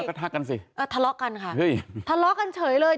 ก็ทักกันสิเออทะเลาะกันค่ะเฮ้ยทะเลาะกันเฉยเลย